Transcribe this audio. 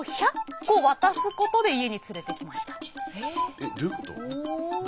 えっどういうこと？